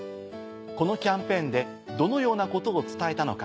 このキャンペーンでどのようなことを伝えたのか。